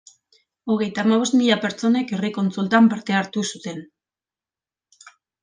Hogeita hamabost mila pertsonek herri kontsultan parte hartu zuten.